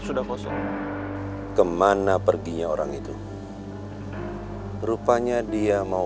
siapa itu yang bicara tunjukkan dirimu